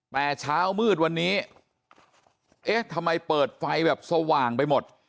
แต่เช้ามืดวันนี้เอ๊ะทำไมเปิดไฟแบบสว่างไปหมด